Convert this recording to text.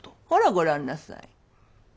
ほらご覧なさい。